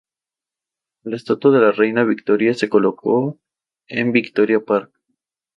La estatua de la Reina Victoria se colocó en Victoria Park.